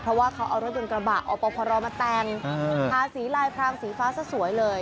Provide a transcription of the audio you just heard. เพราะว่าเขาเอารถยนต์กระบะอปพรมาแต่งทาสีลายพรางสีฟ้าซะสวยเลย